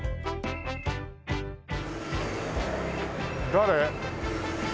誰？